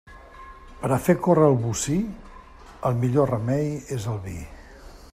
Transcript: Per a fer córrer el bocí, el millor remei és el vi.